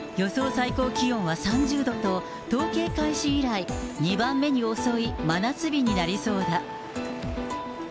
最高気温は３０度と、統計開始以来、２番目に遅い真夏日になりそうだ。